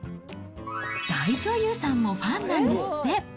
大女優さんもファンなんですって。